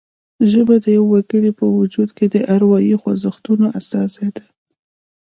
ژبه د یوه وګړي په وجود کې د اروايي خوځښتونو استازې ده